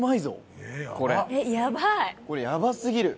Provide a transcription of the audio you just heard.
これやばすぎる！